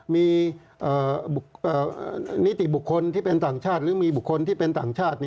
มีนิติบุคคลที่เป็นต่างชาติหรือมีบุคคลที่เป็นต่างชาติ